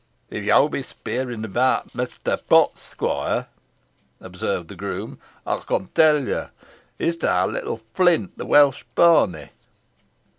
"If yo be speering about Mester Potts, squoire," observed the groom, "ey con tell ye. He's to ha' little Flint, the Welsh pony."